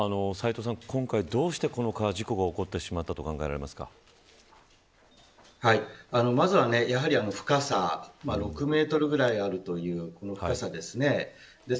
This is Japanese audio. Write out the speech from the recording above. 斎藤さん、今回どうして川の事故が起こってしまったとまずは、やはり深さ６メートルぐらいあるというこの深さです。